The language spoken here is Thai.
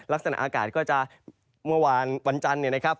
ลักษณะอากาศก็จะเมื่อวานวันจันทร์เนี่ยนะครับ